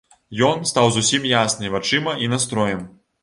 Ён стаў зусім ясны вачыма і настроем.